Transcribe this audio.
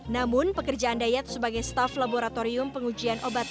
namun pekerjaan dayat sebagai staff laboratorium pengujian obat